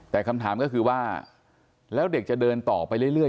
แต่คำถามก็คือว่าแล้วเด็กจะเดินต่อไปเรื่อย